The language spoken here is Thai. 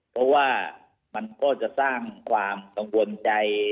เพราะว่ามันก็จะสร้างความกังวลใจ